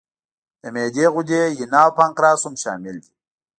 د معدې غدې، ینه او پانکراس هم شامل دي.